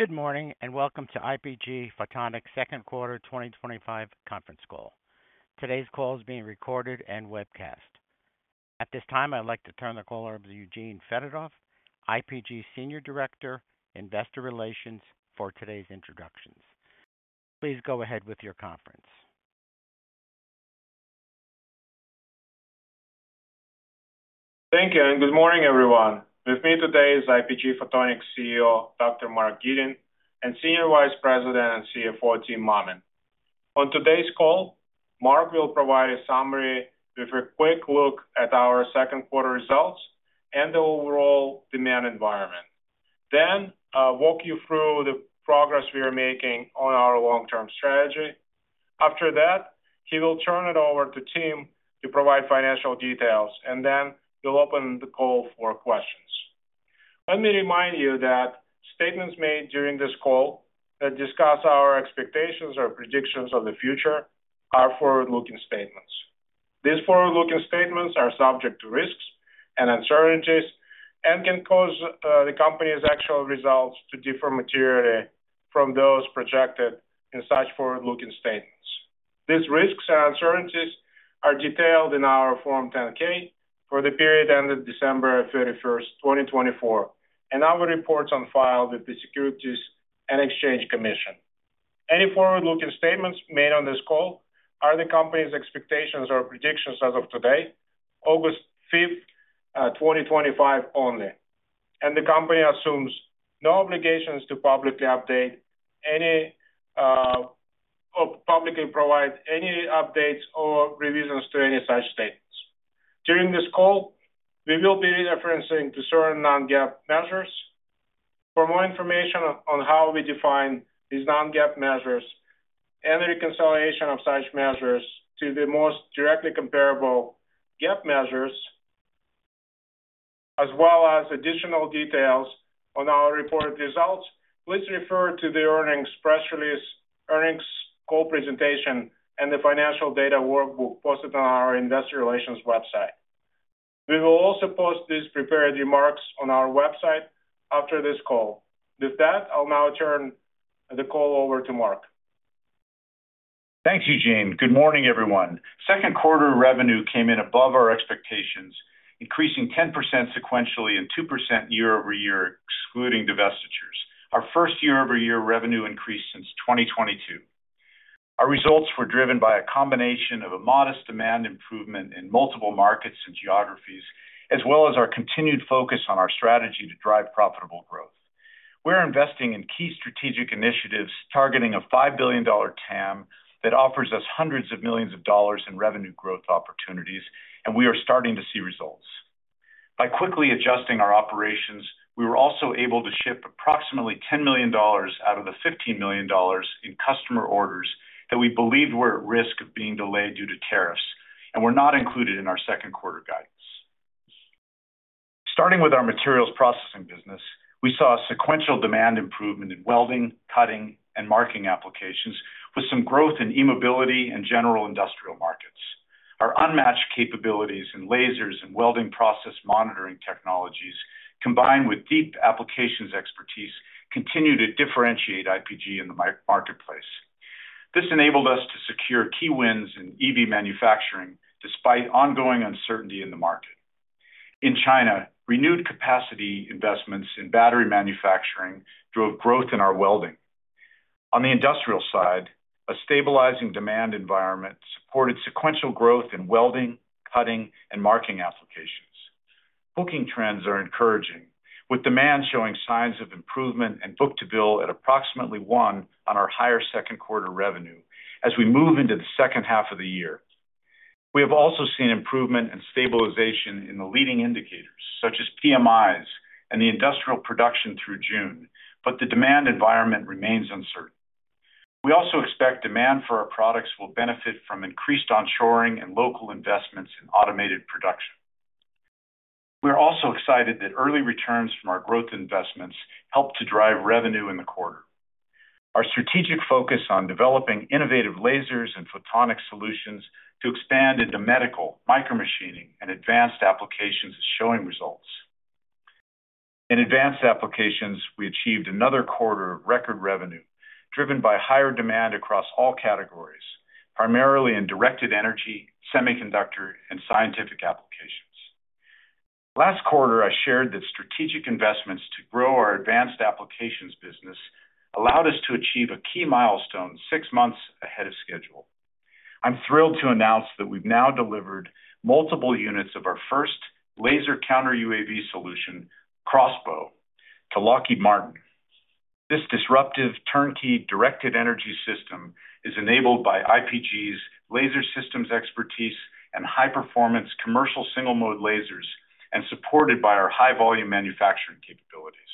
Good morning and welcome to IPG Photonics Second Quarter 2025 Conference Call. Today's call is being recorded and webcast. At this time, I'd like to turn the call over to Eugene Fedotoff, IPG Senior Director, Investor Relations, for today's introductions. Please go ahead with your conference. Thank you and good morning, everyone. With me today is IPG Photonics CEO, Dr. Mark Gitin, and Senior Vice President and CFO, Tim Mammen. On today's call, Mark will provide a summary with a quick look at our second quarter results and the overall demand environment. I'll walk you through the progress we are making on our long-term strategy. After that, he will turn it over to Tim to provide financial details, and then we'll open the call for questions. Let me remind you that statements made during this call that discuss our expectations or predictions of the future are forward-looking statements. These forward-looking statements are subject to risks and uncertainties and can cause the company's actual results to differ materially from those projected in such forward-looking statements. These risks and uncertainties are detailed in our Form 10-K for the period ending December 31, 2024, and our reports on file with the Securities and Exchange Commission. Any forward-looking statements made on this call are the company's expectations or predictions as of today, August 5, 2025, only, and the company assumes no obligations to publicly provide any updates or revisions to any such statements. During this call, we will be referencing to certain non-GAAP measures. For more information on how we define these non-GAAP measures and the reconciliation of such measures to the most directly comparable GAAP measures, as well as additional details on our reported results, please refer to the earnings press release, earnings call presentation, and the financial data workbook posted on our Investor Relations website. We will also post these prepared remarks on our website after this call. With that, I'll now turn the call over to Mark. Thanks, Eugene. Good morning, everyone. Second quarter revenue came in above our expectations, increasing 10% sequentially and 2% year-over-year, excluding divestitures. Our first year-over-year revenue increase since 2022. Our results were driven by a combination of a modest demand improvement in multiple markets and geographies, as well as our continued focus on our strategy to drive profitable growth. We're investing in key strategic initiatives targeting a $5 billion TAM that offers us hundreds of millions of dollars in revenue growth opportunities, and we are starting to see results. By quickly adjusting our operations, we were also able to ship approximately $10 million out of the $15 million in customer orders that we believe were at risk of being delayed due to tariffs, and were not included in our second quarter guidance. Starting with our materials processing business, we saw a sequential demand improvement in welding, cutting, and marking applications, with some growth in e-mobility and general industrial markets. Our unmatched capabilities in lasers and welding process monitoring technologies, combined with deep applications expertise, continue to differentiate IPG Photonics in the marketplace. This enabled us to secure key wins in EV manufacturing despite ongoing uncertainty in the market. In China, renewed capacity investments in battery manufacturing drove growth in our welding. On the industrial side, a stabilizing demand environment supported sequential growth in welding, cutting, and marking applications. Booking trends are encouraging, with demand showing signs of improvement and book-to-bill at approximately one on our higher second quarter revenue as we move into the second half of the year. We have also seen improvement and stabilization in the leading indicators, such as PMIs and the industrial production through June, but the demand environment remains uncertain. We also expect demand for our products will benefit from increased onshoring and local investments in automated production. We're also excited that early returns from our growth investments help to drive revenue in the quarter. Our strategic focus on developing innovative lasers and photonic solutions to expand into medical, micro machining, and advanced applications is showing results. In advanced applications, we achieved another quarter of record revenue, driven by higher demand across all categories, primarily in directed energy, semiconductor, and scientific applications. Last quarter, I shared that strategic investments to grow our advanced applications business allowed us to achieve a key milestone six months ahead of schedule. I'm thrilled to announce that we've now delivered multiple units of our first laser counter UAV solution, CROSSBOW, to Lockheed Martin. This disruptive turnkey directed energy system is enabled by IPG Photonics' laser systems expertise and high-performance commercial single-mode lasers, and supported by our high-volume manufacturing capabilities.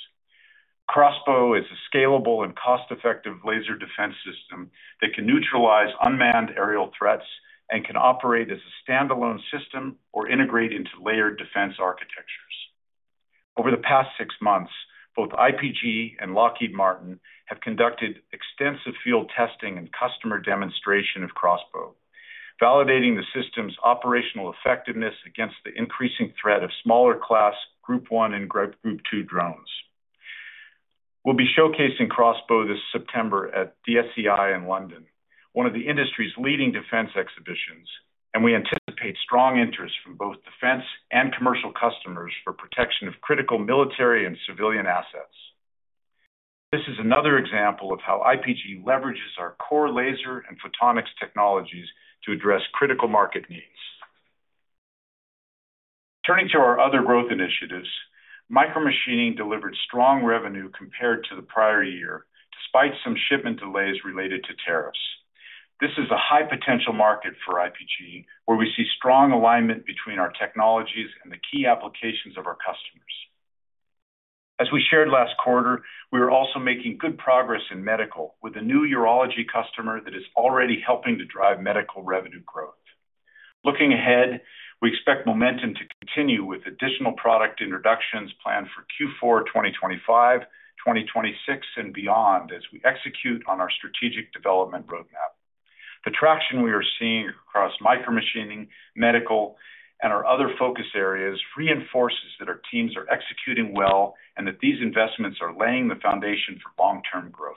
CROSSBOW is a scalable and cost-effective laser defense system that can neutralize unmanned aerial threats and can operate as a standalone system or integrate into layered defense architectures. Over the past six months, both IPG Photonics and Lockheed Martin have conducted extensive field testing and customer demonstration of Crossbow, validating the system's operational effectiveness against the increasing threat of smaller class Group 1 and Group 2 drones. We'll be showcasing Crossbow this September at DSEI in London, one of the industry's leading defense exhibitions, and we anticipate strong interest from both defense and commercial customers for protection of critical military and civilian assets. This is another example of how IPG Photonics leverages our core laser and photonics technologies to address critical market needs. Turning to our other growth initiatives, micro machining delivered strong revenue compared to the prior year, despite some shipment delays related to tariffs. This is a high-potential market for IPG Photonics, where we see strong alignment between our technologies and the key applications of our customers. As we shared last quarter, we are also making good progress in medical, with a new urology customer that is already helping to drive medical revenue growth. Looking ahead, we expect momentum to continue with additional product introductions planned for Q4 2025, 2026, and beyond as we execute on our strategic development roadmap. The traction we are seeing across micro machining, medical, and our other focus areas reinforces that our teams are executing well and that these investments are laying the foundation for long-term growth.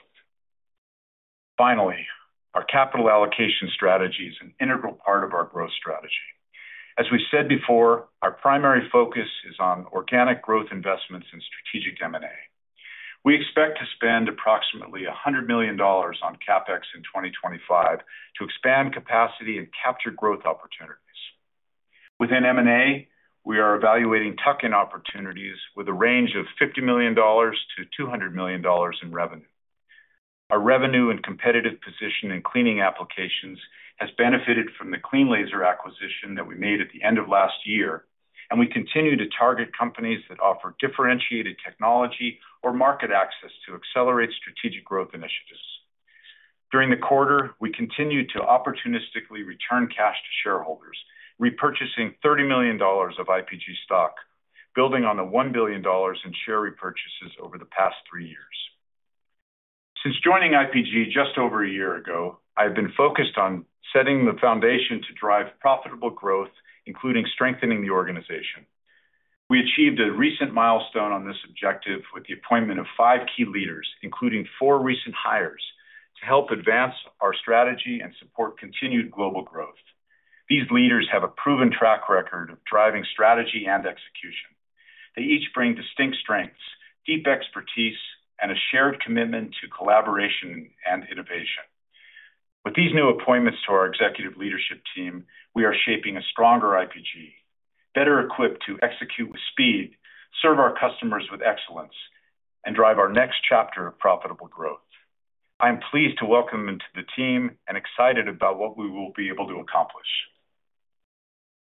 Finally, our capital allocation strategy is an integral part of our growth strategy. As we've said before, our primary focus is on organic growth investments and strategic M&A. We expect to spend approximately $100 million on CapEx in 2025 to expand capacity and capture growth opportunities. Within M&A, we are evaluating tuck-in opportunities with a range of $50 million-$200 million in revenue. Our revenue and competitive position in cleaning applications has benefited from the cleanLASER acquisition that we made at the end of last year, and we continue to target companies that offer differentiated technology or market access to accelerate strategic growth initiatives. During the quarter, we continued to opportunistically return cash to shareholders, repurchasing $30 million of IPG stock, building on the $1 billion in share repurchases over the past three years. Since joining IPG just over a year ago, I have been focused on setting the foundation to drive profitable growth, including strengthening the organization. We achieved a recent milestone on this objective with the appointment of five key leaders, including four recent hires, to help advance our strategy and support continued global growth. These leaders have a proven track record of driving strategy and execution. They each bring distinct strengths, deep expertise, and a shared commitment to collaboration and innovation. With these new appointments to our executive leadership team, we are shaping a stronger IPG, better equipped to execute with speed, serve our customers with excellence, and drive our next chapter of profitable growth. I am pleased to welcome them to the team and excited about what we will be able to accomplish.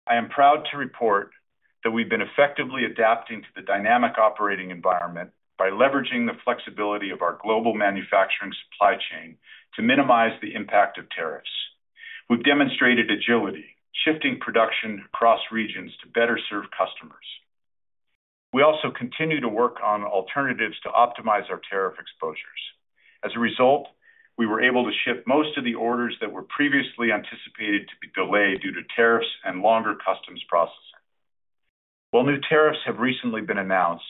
I am proud to report that we've been effectively adapting to the dynamic operating environment by leveraging the flexibility of our global manufacturing supply chain to minimize the impact of tariffs. We've demonstrated agility, shifting production across regions to better serve customers. We also continue to work on alternatives to optimize our tariff exposures. As a result, we were able to ship most of the orders that were previously anticipated to be delayed due to tariffs and longer customs processing. While new tariffs have recently been announced,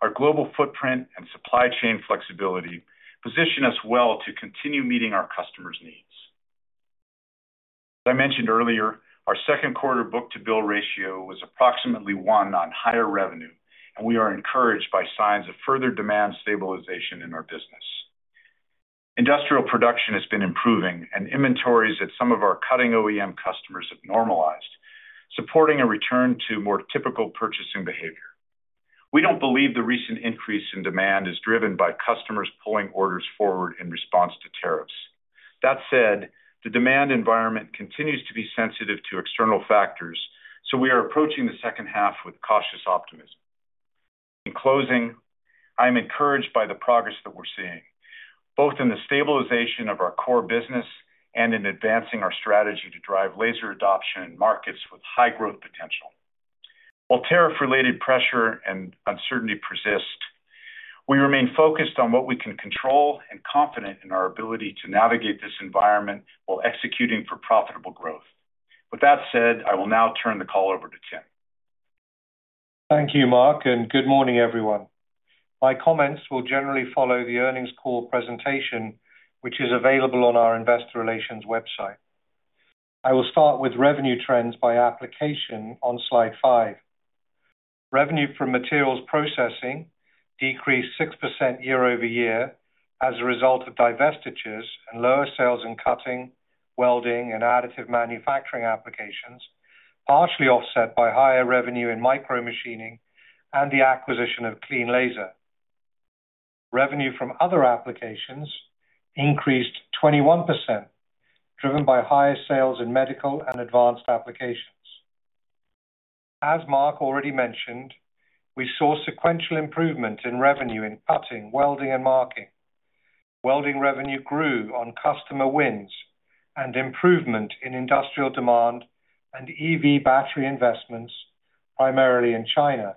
our global footprint and supply chain flexibility position us well to continue meeting our customers' needs. As I mentioned earlier, our second quarter book-to-bill ratio was approximately one on higher revenue, and we are encouraged by signs of further demand stabilization in our business. Industrial production has been improving, and inventories at some of our cutting OEM customers have normalized, supporting a return to more typical purchasing behavior. We don't believe the recent increase in demand is driven by customers pulling orders forward in response to tariffs. That said, the demand environment continues to be sensitive to external factors, so we are approaching the second half with cautious optimism. In closing, I am encouraged by the progress that we're seeing, both in the stabilization of our core business and in advancing our strategy to drive laser adoption in markets with high growth potential. While tariff-related pressure and uncertainty persist, we remain focused on what we can control and confident in our ability to navigate this environment while executing for profitable growth. With that said, I will now turn the call over to Tim. Thank you, Mark, and good morning, everyone. My comments will generally follow the earnings call presentation, which is available on our Investor Relations website. I will start with revenue trends by application on slide five. Revenue from materials processing decreased 6% year-over-year as a result of divestitures and lower sales in cutting, welding, and additive manufacturing applications, partially offset by higher revenue in micro machining and the acquisition of cleanLASER. Revenue from other applications increased 21%, driven by higher sales in medical and advanced applications. As Mark already mentioned, we saw sequential improvement in revenue in cutting, welding, and marking. Welding revenue grew on customer wins and improvement in industrial demand and EV battery investments, primarily in China.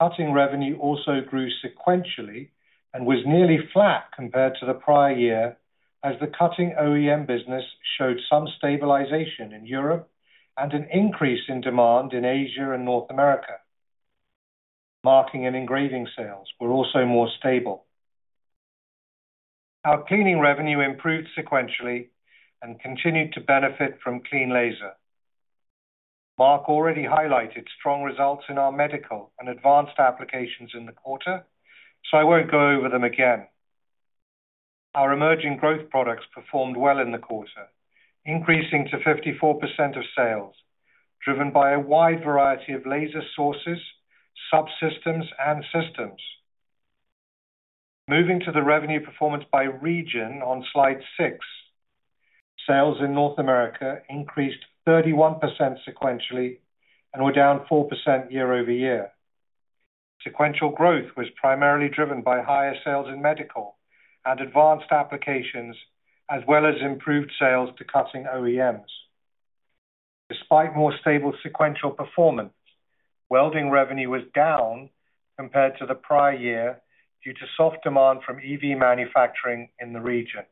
Cutting revenue also grew sequentially and was nearly flat compared to the prior year as the cutting OEM business showed some stabilization in Europe and an increase in demand in Asia and North America. Marking and engraving sales were also more stable. Our cleaning revenue improved sequentially and continued to benefit from cleanLASER. Mark already highlighted strong results in our medical and advanced applications in the quarter, so I won't go over them again. Our emerging growth products performed well in the quarter, increasing to 54% of sales, driven by a wide variety of laser sources, subsystems, and systems. Moving to the revenue performance by region on slide six, sales in North America increased 31% sequentially and were down 4% year-over-year. Sequential growth was primarily driven by higher sales in medical and advanced applications, as well as improved sales to cutting OEMs. Despite more stable sequential performance, welding revenue was down compared to the prior year due to soft demand from EV manufacturing in the region.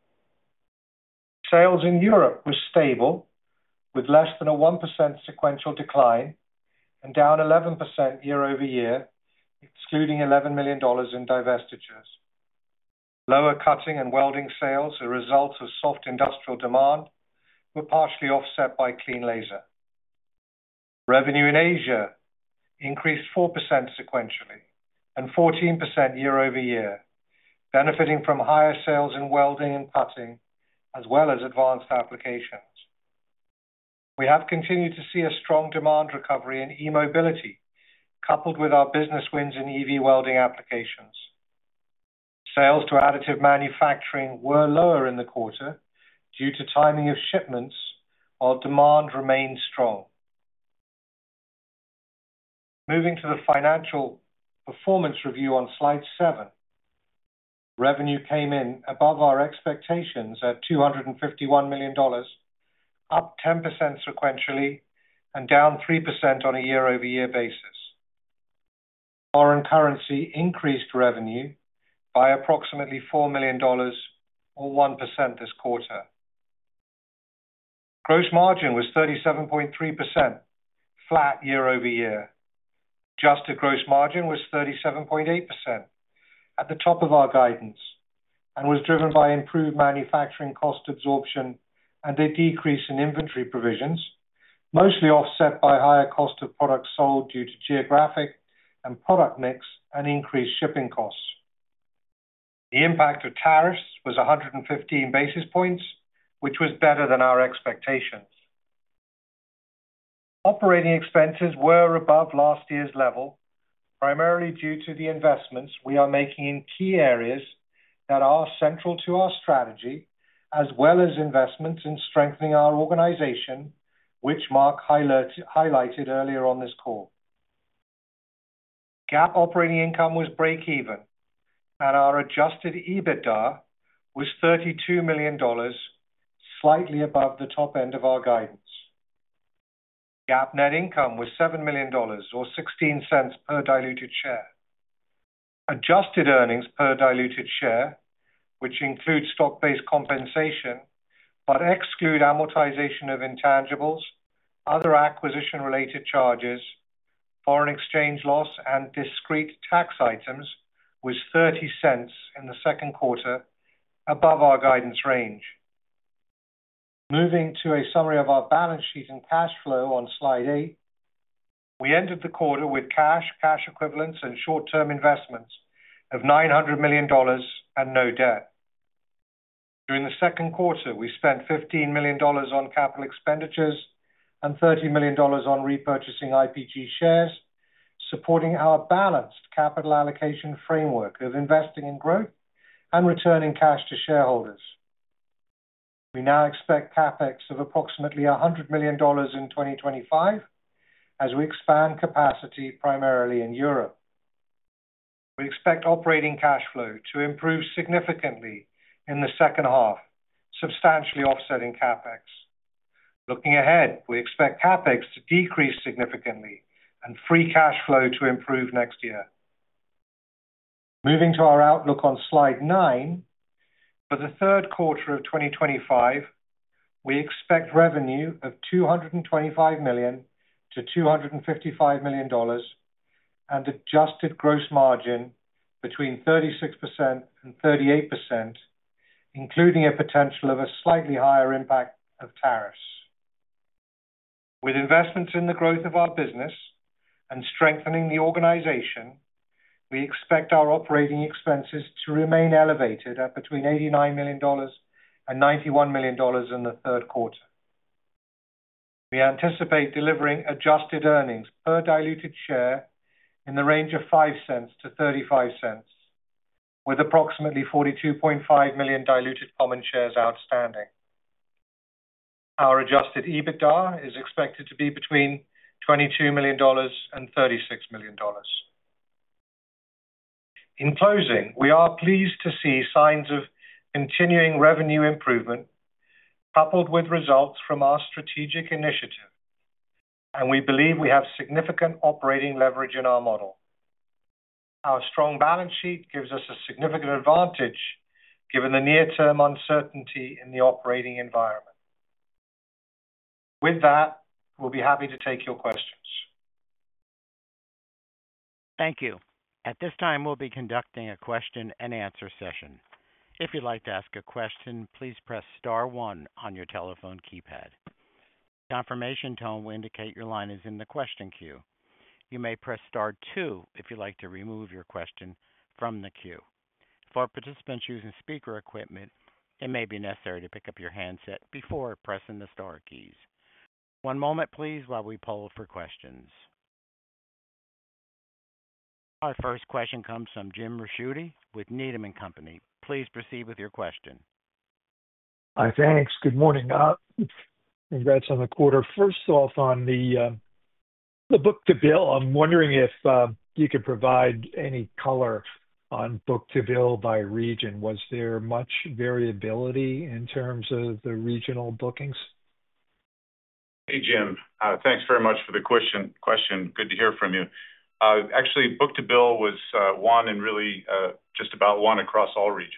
Sales in Europe were stable, with less than a 1% sequential decline and down 11% year-over-year, excluding $11 million in divestitures. Lower cutting and welding sales are results of soft industrial demand and were partially offset by cleanLASER. Revenue in Asia increased 4% sequentially and 14% year-over-year, benefiting from higher sales in welding and cutting, as well as advanced applications. We have continued to see a strong demand recovery in e-mobility, coupled with our business wins in EV welding applications. Sales to additive manufacturing were lower in the quarter due to timing of shipments, while demand remained strong. Moving to the financial performance review on slide seven, revenue came in above our expectations at $251 million, up 10% sequentially, and down 3% on a year-over-year basis. Foreign currency increased revenue by approximately $4 million, or 1% this quarter. Gross margin was 37.3%, flat year-over-year. Adjusted gross margin was 37.8% at the top of our guidance and was driven by improved manufacturing cost absorption and a decrease in inventory provisions, mostly offset by higher cost of products sold due to geographic and product mix and increased shipping costs. The impact of tariffs was 115 basis points, which was better than our expectations. Operating expenses were above last year's level, primarily due to the investments we are making in key areas that are central to our strategy, as well as investments in strengthening our organization, which Mark highlighted earlier on this call. GAAP operating income was breakeven, and our adjusted EBITDA was $32 million, slightly above the top end of our guidance. GAAP net income was $7 million, or $0.16 per diluted share. Adjusted earnings per diluted share, which include stock-based compensation but exclude amortization of intangibles, other acquisition-related charges, foreign exchange loss, and discrete tax items, was $0.30 in the second quarter, above our guidance range. Moving to a summary of our balance sheet and cash flow on slide eight, we ended the quarter with cash, cash equivalents, and short-term investments of $900 million and no debt. During the second quarter, we spent $15 million on capital expenditures and $30 million on repurchasing IPG shares, supporting our balanced capital allocation framework of investing in growth and returning cash to shareholders. We now expect CapEx of approximately $100 million in 2025 as we expand capacity primarily in Europe. We expect operating cash flow to improve significantly in the second half, substantially offsetting CapEx. Looking ahead, we expect CapEx to decrease significantly and free cash flow to improve next year. Moving to our outlook on slide nine, for the third quarter of 2025, we expect revenue of $225 million-$255 million and adjusted gross margin between 36% and 38%, including a potential of a slightly higher impact of tariffs. With investments in the growth of our business and strengthening the organization, we expect our operating expenses to remain elevated at between $89 million and $91 million in the third quarter. We anticipate delivering adjusted earnings per diluted share in the range of $0.05-$0.35, with approximately 42.5 million diluted common shares outstanding. Our adjusted EBITDA is expected to be between $22 million and $36 million. In closing, we are pleased to see signs of continuing revenue improvement coupled with results from our strategic initiative, and we believe we have significant operating leverage in our model. Our strong balance sheet gives us a significant advantage given the near-term uncertainty in the operating environment. With that, we'll be happy to take your questions. Thank you. At this time, we'll be conducting a question and answer session. If you'd like to ask a question, please press star one on your telephone keypad. A confirmation tone will indicate your line is in the question queue. You may press star two if you'd like to remove your question from the queue. For participants using speaker equipment, it may be necessary to pick up your handset before pressing the star keys. One moment, please, while we poll for questions. Our first question comes from Jim Ricchiuti with Needham & Company. Please proceed with your question. Hi, thanks. Good morning. Congrats on the quarter. First off, on the book-to-bill, I'm wondering if you could provide any color on book-to-bill by region. Was there much variability in terms of the regional bookings? Hey, Jim. Thanks very much for the question. Good to hear from you. Actually, book-to-bill was one and really just about one across all regions.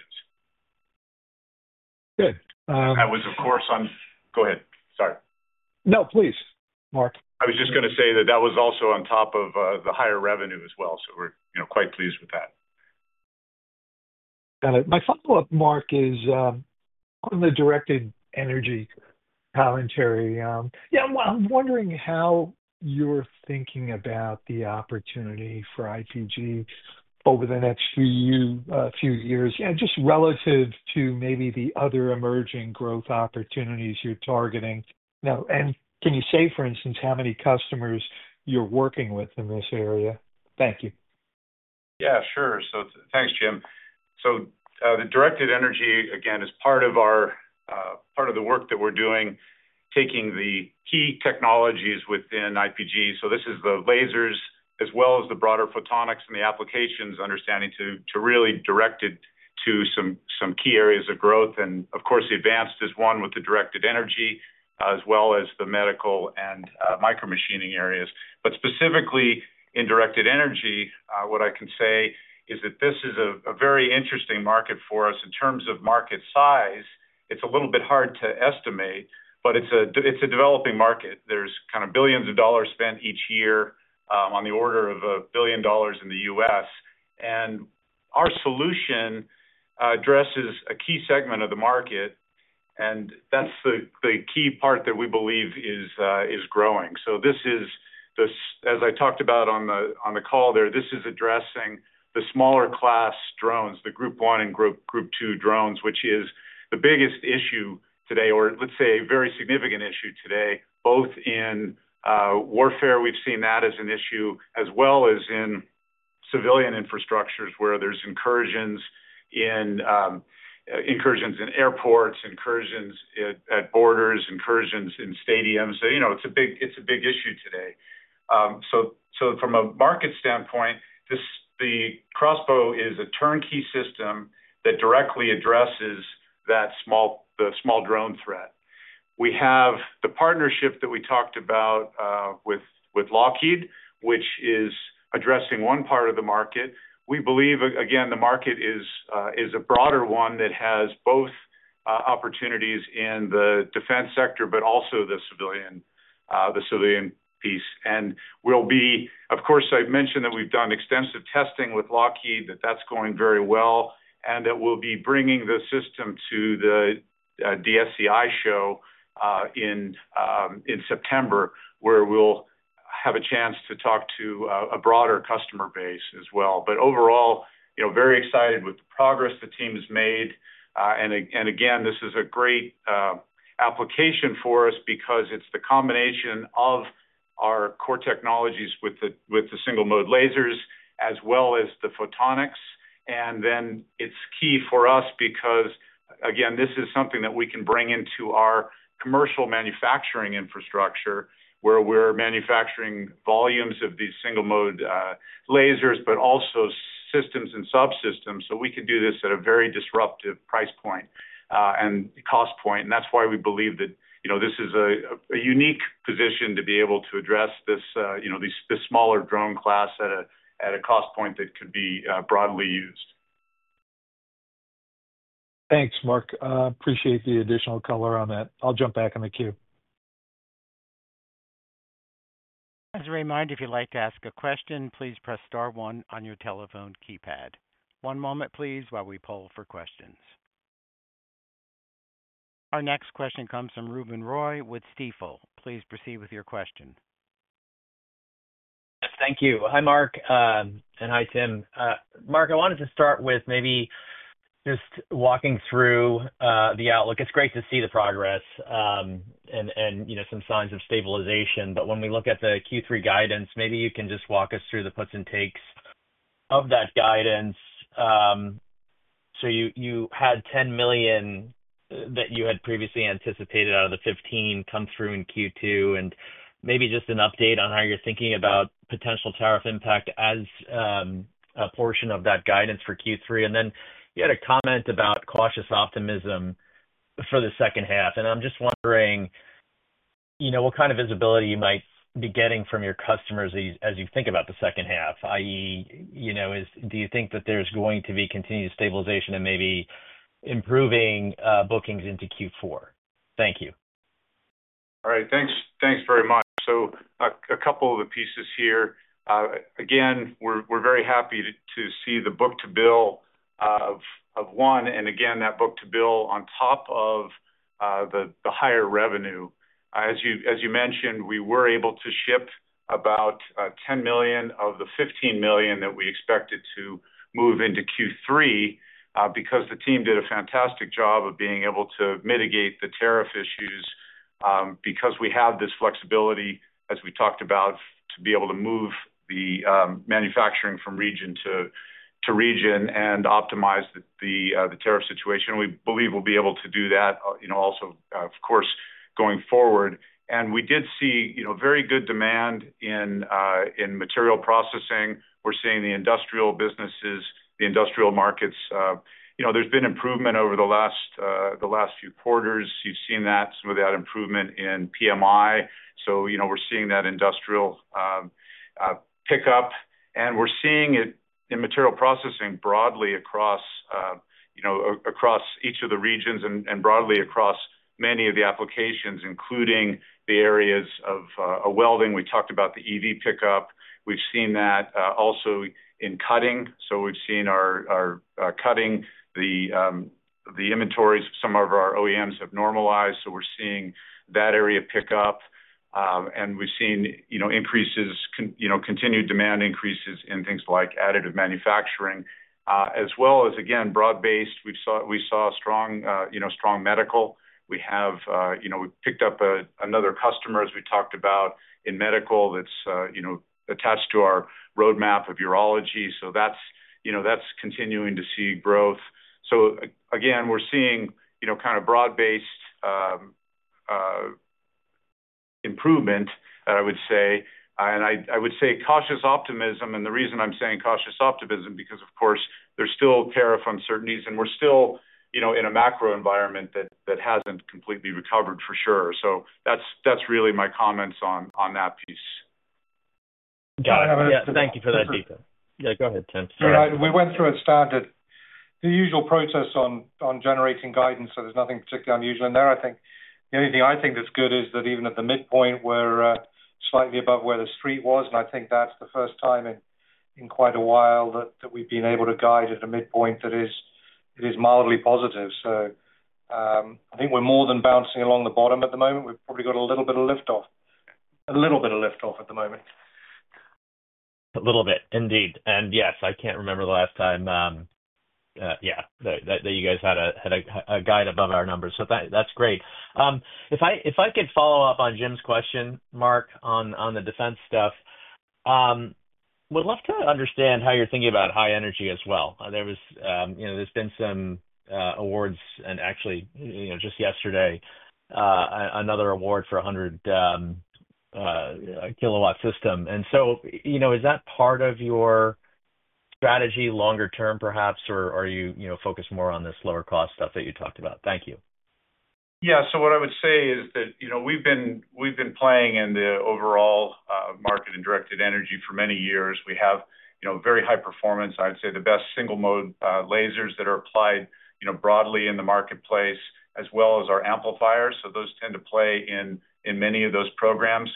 Good. That was, of course, on. Go ahead. Sorry. No, please, Mark. I was just going to say that was also on top of the higher revenue as well, so we're quite pleased with that. Got it. My follow-up, Mark, is from the directed energy commentary. I'm wondering how you're thinking about the opportunity for IPG over the next few years, just relative to maybe the other emerging growth opportunities you're targeting. Can you say, for instance, how many customers you're working with in this area? Thank you. Yeah, sure. Thanks, Jim. The directed energy, again, is part of the work that we're doing, taking the key technologies within IPG Photonics. This is the lasers as well as the broader photonics and the applications understanding to really direct it to some key areas of growth. The advanced is one with the directed energy, as well as the medical and micro machining areas. Specifically in directed energy, what I can say is that this is a very interesting market for us. In terms of market size, it's a little bit hard to estimate, but it's a developing market. There are kind of billions of dollars spent each year, on the order of $1 billion in the U.S. Our solution addresses a key segment of the market, and that's the key part that we believe is growing. This is, as I talked about on the call, addressing the smaller class drones, the Group 1 and Group 2 drones, which is the biggest issue today, or let's say a very significant issue today, both in warfare. We've seen that as an issue, as well as in civilian infrastructures where there's incursions in airports, incursions at borders, incursions in stadiums. It's a big issue today. From a market standpoint, the CROSSBOW is a turnkey system that directly addresses the small drone threat. We have the partnership that we talked about with Lockheed, which is addressing one part of the market. We believe the market is a broader one that has both opportunities in the defense sector, but also the civilian piece. I've mentioned that we've done extensive testing with Lockheed, that that's going very well, and that we'll be bringing the system to the DSEI show in September, where we'll have a chance to talk to a broader customer base as well. Overall, very excited with the progress the team has made. This is a great application for us because it's the combination of our core technologies with the single-mode lasers, as well as the photonics. It's key for us because this is something that we can bring into our commercial manufacturing infrastructure, where we're manufacturing volumes of these single-mode lasers, but also systems and subsystems. We could do this at a very disruptive price point and cost point. That's why we believe that this is a unique position to be able to address this smaller drone class at a cost point that could be broadly used. Thanks, Mark. Appreciate the additional color on that. I'll jump back in the queue. As a reminder, if you'd like to ask a question, please press star one on your telephone keypad. One moment, please, while we poll for questions. Our next question comes from Ruben Roy with Stifel. Please proceed with your question. Thank you. Hi, Mark, and hi, Tim. Mark, I wanted to start with maybe just walking through the outlook. It's great to see the progress and some signs of stabilization. When we look at the Q3 guidance, maybe you can just walk us through the puts and takes of that guidance. You had $10 million that you had previously anticipated out of the $15 million come through in Q2. Maybe just an update on how you're thinking about potential tariff impact as a portion of that guidance for Q3. You had a comment about cautious optimism for the second half. I'm just wondering, you know, what kind of visibility you might be getting from your customers as you think about the second half. I.e., do you think that there's going to be continued stabilization and maybe improving bookings into Q4? Thank you. All right. Thanks very much. A couple of the pieces here. Again, we're very happy to see the book-to-bill of one. That book-to-bill on top of the higher revenue. As you mentioned, we were able to ship about $10 million of the $15 million that we expected to move into Q3 because the team did a fantastic job of being able to mitigate the tariff issues because we have this flexibility, as we've talked about, to be able to move the manufacturing from region to region and optimize the tariff situation. We believe we'll be able to do that also, of course, going forward. We did see very good demand in material processing. We're seeing the industrial businesses, the industrial markets. There's been improvement over the last few quarters. You've seen that, some of that improvement in PMI. We're seeing that industrial pickup. We're seeing it in material processing broadly across each of the regions and broadly across many of the applications, including the areas of welding. We talked about the EV pickup. We've seen that also in cutting. We've seen our cutting inventories. Some of our OEMs have normalized. We're seeing that area pick up. We've seen increases, continued demand increases in things like additive manufacturing, as well as, again, broad-based. We saw a strong medical. We picked up another customer, as we've talked about, in medical that's attached to our roadmap of urology. That's continuing to see growth. Again, we're seeing kind of broad-based improvement, I would say. I would say cautious optimism. The reason I'm saying cautious optimism is because, of course, there's still tariff uncertainties, and we're still in a macro environment that hasn't completely recovered for sure. That's really my comments on that piece. Got it. Thank you for that, detail. Yeah, go ahead, Tim. We went through a standard usual process on generating guidance. There's nothing particularly unusual in there. I think the only thing that's good is that even at the midpoint, we're slightly above where the street was. I think that's the first time in quite a while that we've been able to guide at a midpoint that is mildly positive. I think we're more than bouncing along the bottom at the moment. We've probably got a little bit of lift-off, a little bit of lift-off at the moment. A little bit, indeed. Yes, I can't remember the last time that you guys had a guide above our numbers. That's great. If I could follow up on Jim's question, Mark, on the defense stuff, would love to understand how you're thinking about high energy as well. There have been some awards, and actually, just yesterday, another award for a 100 kW system. Is that part of your strategy longer term, perhaps, or are you focused more on this lower cost stuff that you talked about? Thank you. Yeah. What I would say is that we've been playing in the overall market in directed energy for many years. We have very high performance, I'd say the best single-mode lasers that are applied broadly in the marketplace, as well as our amplifiers. Those tend to play in many of those programs.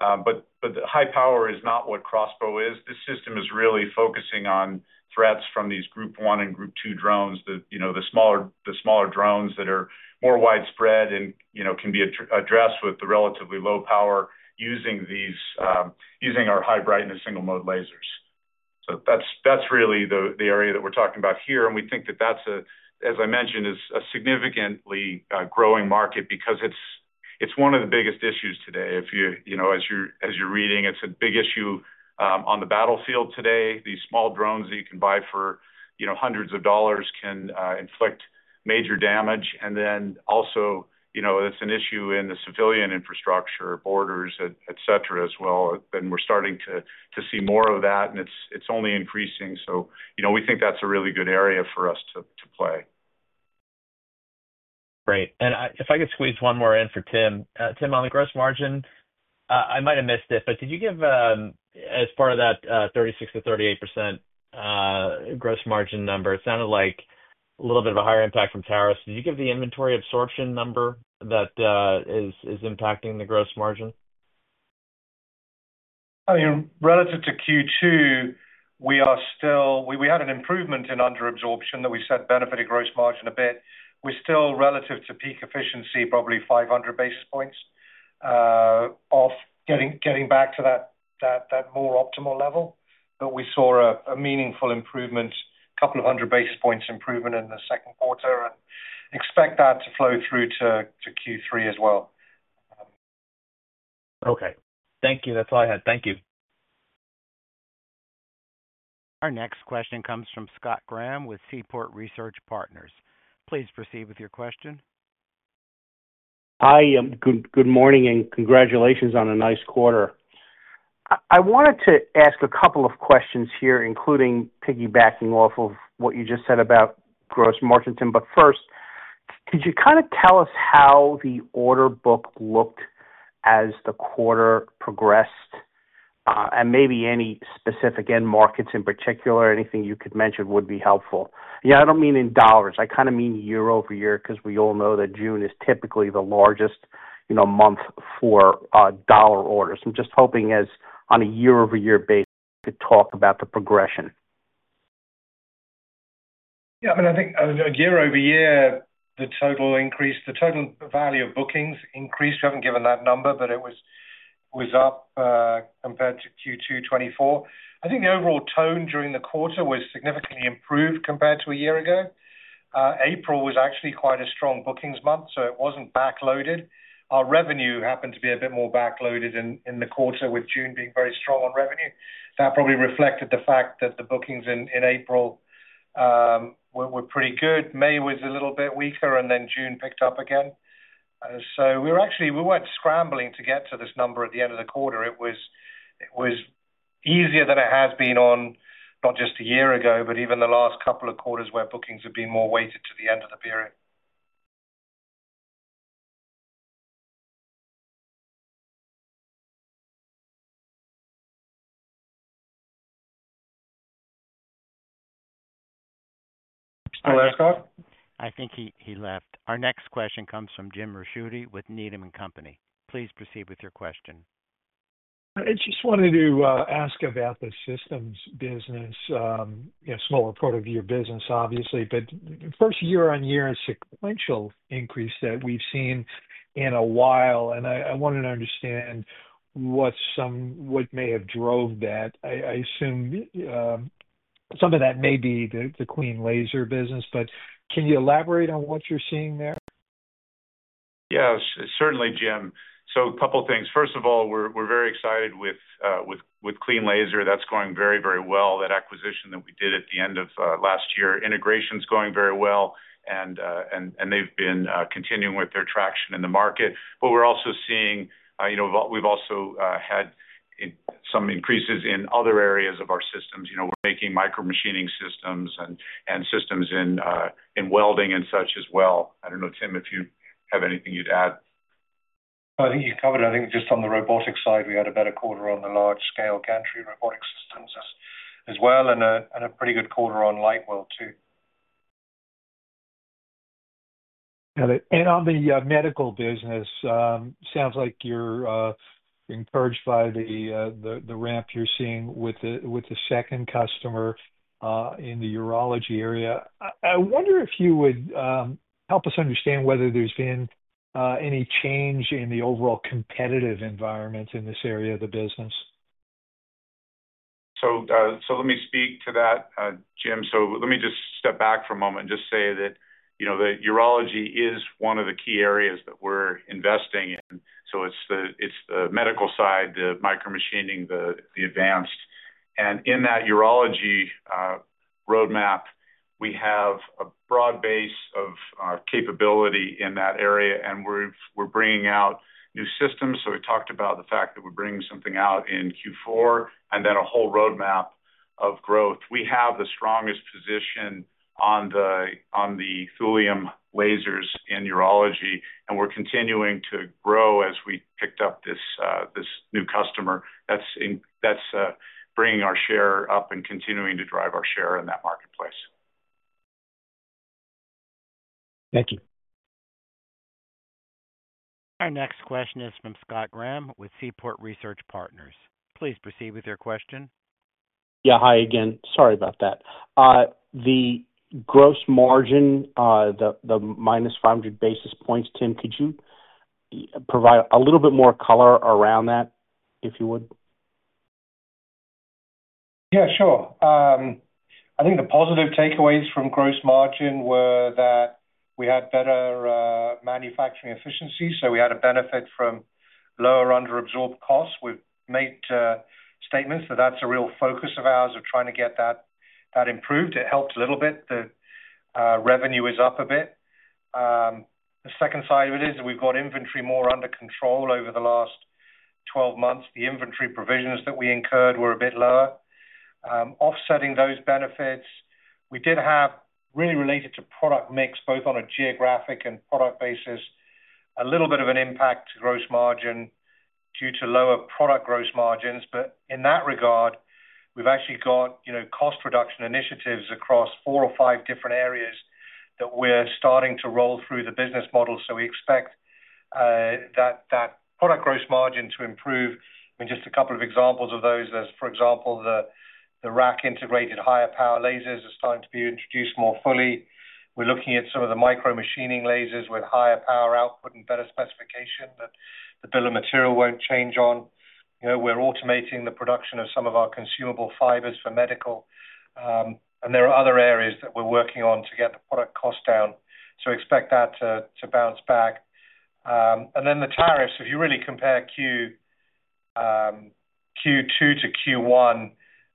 The high power is not what the CROSSBOW is. This system is really focusing on threats from these Group 1 and Group 2 drones, the smaller drones that are more widespread and can be addressed with the relatively low power using our high brightness single-mode lasers. That's really the area that we're talking about here. We think that that's a, as I mentioned, a significantly growing market because it's one of the biggest issues today. As you're reading, it's a big issue on the battlefield today. These small drones that you can buy for hundreds of dollars can inflict major damage. It's also an issue in the civilian infrastructure, borders, et cetera, as well. We're starting to see more of that, and it's only increasing. We think that's a really good area for us to play. Great. If I could squeeze one more in for Tim. Tim, on the gross margin, I might have missed it, but did you give, as part of that 36%-38% gross margin number, it sounded like a little bit of a higher impact from tariffs. Did you give the inventory absorption number that is impacting the gross margin? I mean, relative to Q2, we had an improvement in underabsorption that we said benefited gross margin a bit. We're still, relative to peak efficiency, probably 500 basis points off getting back to that more optimal level. We saw a meaningful improvement, a couple of hundred basis points improvement in the second quarter. I expect that to flow through to Q3 as well. Okay. Thank you. That's all I had. Thank you. Our next question comes from Scott Graham with Seaport Research Partners. Please proceed with your question. Hi, good morning, and congratulations on a nice quarter. I wanted to ask a couple of questions here, including piggybacking off of what you just said about gross margin, Tim. First, could you kind of tell us how the order book looked as the quarter progressed? Maybe any specific end markets in particular, anything you could mention would be helpful. I don't mean in dollars. I kind of mean year-over- year because we all know that June is typically the largest month for dollar orders. I'm just hoping, as on a year-over-year basis, you could talk about the progression. Yeah, I mean, I think year-over-year, the total increase, the total value of bookings increased. We haven't given that number, but it was up compared to Q2 2024. I think the overall tone during the quarter was significantly improved compared to a year ago. April was actually quite a strong bookings month, so it wasn't backloaded. Our revenue happened to be a bit more backloaded in the quarter, with June being very strong on revenue. That probably reflected the fact that the bookings in April were pretty good. May was a little bit weaker, and then June picked up again. We weren't scrambling to get to this number at the end of the quarter. It was easier than it has been on not just a year ago, but even the last couple of quarters where bookings have been more weighted to the end of the period. I think he left. Our next question comes from Jim Ricchiuti with Needham & Company. Please proceed with your question. I just wanted to ask about the systems business, a smaller part of your business, obviously, but the first year-on-year and sequential increase that we've seen in a while. I wanted to understand what may have drove that. I assume some of that may be the cleanLASER business, but can you elaborate on what you're seeing there? Yeah, certainly, Jim. A couple of things. First of all, we're very excited with cleanLASER. That's going very, very well, that acquisition that we did at the end of last year. Integration is going very well, and they've been continuing with their traction in the market. We're also seeing, you know, we've also had some increases in other areas of our systems, you know, making micro machining systems and systems in welding and such as well. I don't know, Tim, if you have anything you'd add. I think you covered it. I think just on the robotics side, we had about a quarter on the large-scale gantry robotic systems as well, and a pretty good quarter on LightWELD too. Got it. On the medical business, it sounds like you're encouraged by the ramp you're seeing with the second customer in the urology area. I wonder if you would help us understand whether there's been any change in the overall competitive environment in this area of the business. Let me speak to that, Jim. Let me just step back for a moment and just say that, you know, urology is one of the key areas that we're investing in. It's the medical side, the micro machining, the advanced. In that urology roadmap, we have a broad base of capability in that area, and we're bringing out new systems. We talked about the fact that we're bringing something out in Q4 and then a whole roadmap of growth. We have the strongest position on the thulium lasers in urology, and we're continuing to grow as we picked up this new customer that's bringing our share up and continuing to drive our share in that marketplace. Thank you. Our next question is from Scott Graham with Seaport Research Partners. Please proceed with your question. Hi again. Sorry about that. The gross margin, the minus 500 basis points, Tim, could you provide a little bit more color around that, if you would? Yeah, sure. I think the positive takeaways from gross margin were that we had better manufacturing efficiency. We had a benefit from lower underabsorbed costs. We've made statements that that's a real focus of ours of trying to get that improved. It helped a little bit. The revenue is up a bit. The second side of it is that we've got inventory more under control over the last 12 months. The inventory provisions that we incurred were a bit lower, offsetting those benefits. We did have, really related to product mix, both on a geographic and product basis, a little bit of an impact to gross margin due to lower product gross margins. In that regard, we've actually got cost reduction initiatives across four or five different areas that we're starting to roll through the business model. We expect that product gross margin to improve. I mean, just a couple of examples of those, as for example, the rack-integrated higher-power lasers are starting to be introduced more fully. We're looking at some of the micro machining lasers with higher power output and better specification that the bill of material won't change on. We're automating the production of some of our consumable fibers for medical. There are other areas that we're working on to get the product cost down. Expect that to bounce back. The tariffs, if you really compare Q2 to Q1,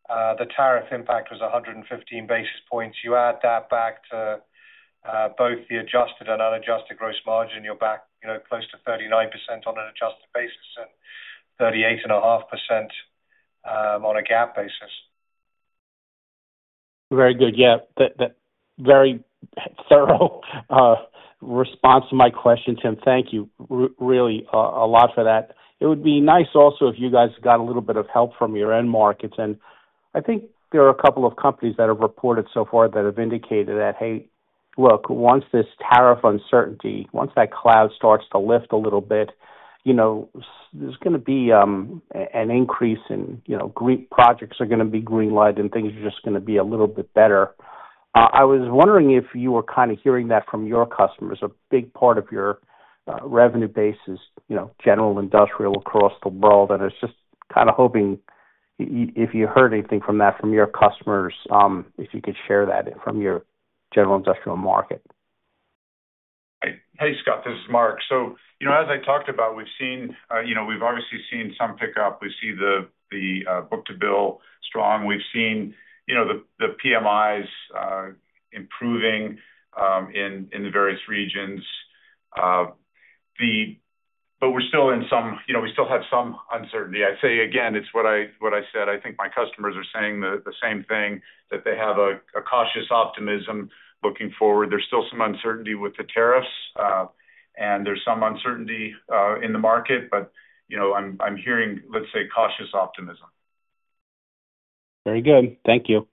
the tariff impact was 115 basis points. You add that back to both the adjusted and unadjusted gross margin, you're back close to 39% on an adjusted basis and 38.5% on a GAAP basis. Very good. Yeah, very thorough response to my question, Tim. Thank you really a lot for that. It would be nice also if you guys got a little bit of help from your end markets. I think there are a couple of companies that have reported so far that have indicated that, hey, look, once this tariff uncertainty, once that cloud starts to lift a little bit, you know, there's going to be an increase in green projects are going to be greenlighted and things are just going to be a little bit better. I was wondering if you were kind of hearing that from your customers, a big part of your revenue base is general industrial across the world. I was just kind of hoping if you heard anything from that from your customers, if you could share that from your general industrial market. Hey, Scott. This is Mark. As I talked about, we've seen, we've obviously seen some pickup. We've seen the book-to-bill strong. We've seen the PMIs improving in the various regions. We're still in some, we still have some uncertainty. I'd say, again, it's what I said. I think my customers are saying the same thing, that they have a cautious optimism looking forward. There's still some uncertainty with the tariffs, and there's some uncertainty in the market. I'm hearing, let's say, cautious optimism. Very good. Thank you.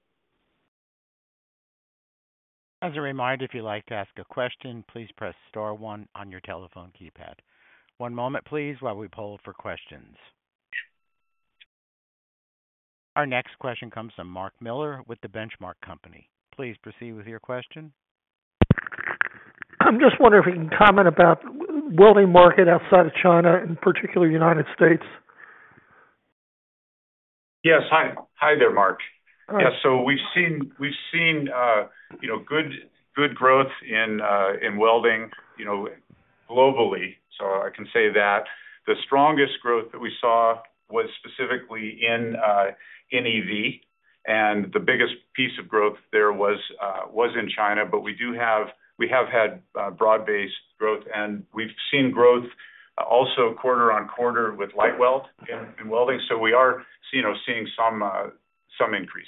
As a reminder, if you'd like to ask a question, please press star one on your telephone keypad. One moment, please, while we poll for questions. Our next question comes from Mark Miller with The Benchmark Company. Please proceed with your question. I'm just wondering if you can comment about welding market outside of China, in particular, the United States. Yes. Hi there, Mark. We've seen good growth in welding globally. I can say that the strongest growth that we saw was specifically in EV. The biggest piece of growth there was in China, but we have had broad-based growth, and we've seen growth also quarter on quarter with LightWELD in welding. We are seeing some increase.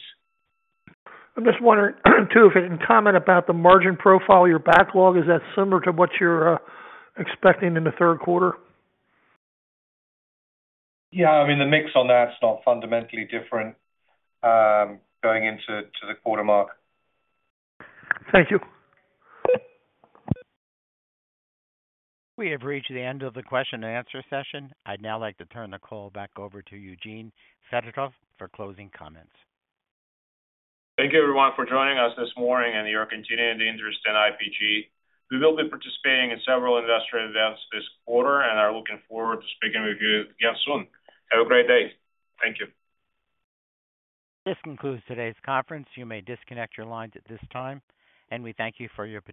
I'm just wondering, too, if you can comment about the margin profile of your backlog. Is that similar to what you're expecting in the third quarter? Yeah, I mean, the mix on that's not fundamentally different going into the quarter, Mark. Thank you. We have reached the end of the question and answer session. I'd now like to turn the call back over to Eugene Fedotoff for closing comments. Thank you, everyone, for joining us this morning in your continued interest in IPG Photonics. We will be participating in several investor events this quarter and are looking forward to speaking with you again soon. Have a great day. Thank you. This concludes today's conference. You may disconnect your lines at this time, and we thank you for your time.